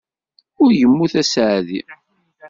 Ur yemmut d aseɛdi.